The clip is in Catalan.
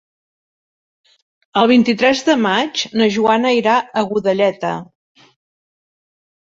El vint-i-tres de maig na Joana irà a Godelleta.